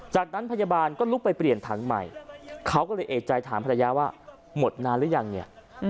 จากนั้นพยาบาลก็ลุกไปเปลี่ยนถังใหม่เขาก็เลยเอกใจถามภรรยาว่าหมดนานหรือยังเนี่ย